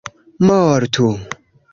mortu